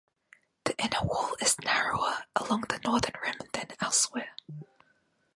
The inner wall is narrower along the northern rim than elsewhere.